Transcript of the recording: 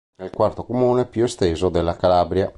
È il quarto comune più esteso della Calabria.